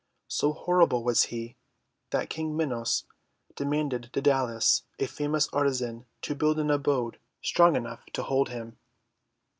So horrible was he, that King Minos commanded Daedalus, a famous artisan, to build an abode strong enough to hold him.